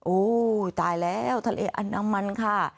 โอ้ยตายแล้วทะเลอันดามันค่ะ